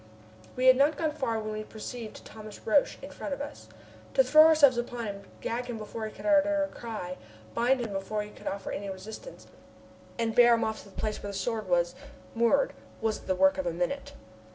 We had not gone far when we perceived Thomas Roch in front of us. To throw ourselves upon him, gag him before he could utter a cry, bind him before he could offer any resistance, and bear him off to the place where the Sword was moored was the work of a minute.